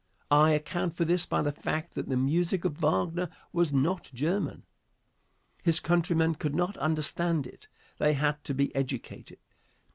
I account for this by the fact that the music of Wagner was not German. His countrymen could not understand it. They had to be educated.